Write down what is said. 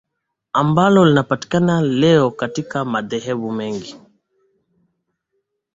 ambalo linapatikana leo katika madhehebu mengi